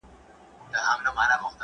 ځان یې هسي اخته کړی په زحمت وي ..